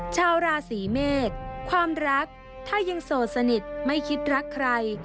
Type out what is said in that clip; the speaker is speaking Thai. ชาวราศีเมษความรักถ้ายังโสดสนิทไม่คิดรักใคร